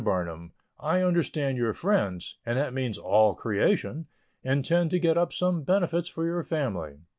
BARNUM, I understand your friends, and that means "all creation," intend to get up some benefits for your family.